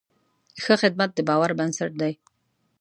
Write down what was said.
ښه خدمت د باور بنسټ دی.